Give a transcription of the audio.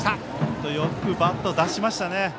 本当よくバット出しましたね。